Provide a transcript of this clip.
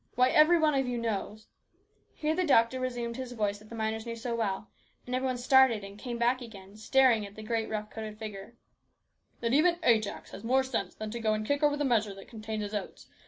Why, every one of you knows " here the doctor resumed his voice that the miners knew so well, and every one started and came back again, staring at the great rough coated figure " that even Ajax has more sense than to go and kick over the measure that contains his oats.